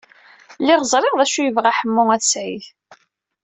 Lliɣ ẓriɣ d acu ay yebɣa Ḥemmu n At Sɛid.